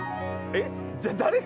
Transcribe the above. えっ？じゃあ。